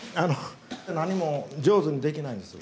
何も上手にできないんです。